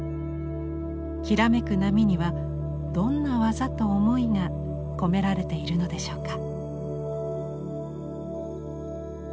きらめく波にはどんな技と思いが込められているのでしょうか。